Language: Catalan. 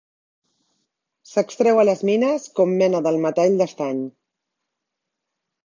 S'extreu a les mines com mena del metall d'estany.